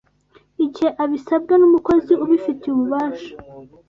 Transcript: igihe abisabwe n' umukozi ubifitiye ububasha